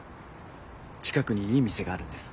近くにいい店があるんです。